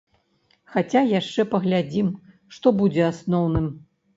Хаця яшчэ паглядзім, што будзе асноўным!